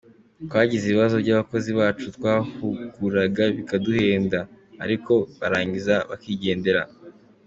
Twagize ibibazo by’abakozi bacu twahuguraga bikaduhenda, ariko barangiza bakigendera.